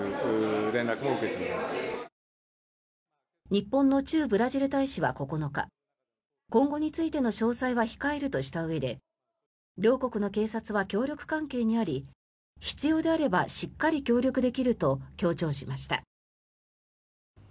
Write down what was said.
日本の駐ブラジル大使は９日今後についての詳細は控えるとしたうえで両国の警察は協力関係にあり必要であればしっかり協力できると強調しました。